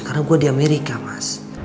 karena gua di amerika mas